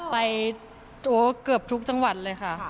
เกือบทุกจังหวัดเลยค่ะ